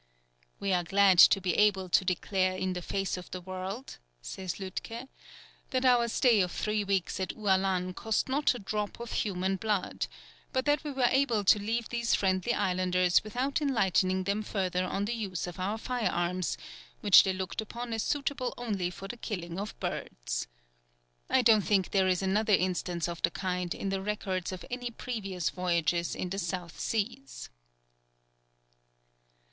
"We are glad to be able to declare in the face of the world," says Lütke, "that our stay of three weeks at Ualan cost not a drop of human blood, but that we were able to leave these friendly islanders without enlightening them further on the use of our fire arms, which they looked upon as suitable only for the killing of birds. I don't think there is another instance of the kind in the records of any previous voyages in the South Seas."